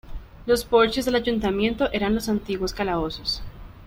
Los porches del ayuntamiento eran los antiguos calabozos.